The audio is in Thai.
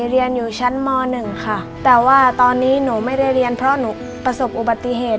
เรียนอยู่ชั้นม๑ค่ะแต่ว่าตอนนี้หนูไม่ได้เรียนเพราะหนูประสบอุบัติเหตุ